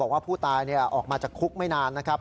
ว่าผู้ตายออกมาจากคุกไม่นานนะครับ